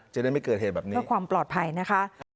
จะได้ไม่เกิดเหตุแบบนี้เพื่อความปลอดภัยนะคะ